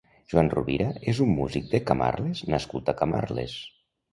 Joan Rovira és un músic de Camarles nascut a Camarles.